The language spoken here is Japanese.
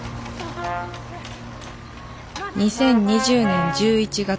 ２０２０年１１月。